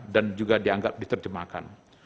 dan juga dianggap diterjemahkan